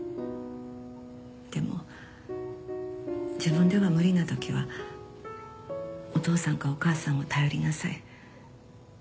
「でも自分では無理なときはお父さんかお母さんを頼りなさい」